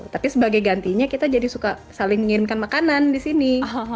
tapi sebagai gantinya kita jadi suka saling mengirimkan makanan di sini